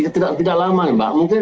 tidak lama mbak